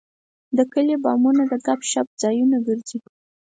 د کلیو بامونه د ګپ شپ ځایونه ګرځي.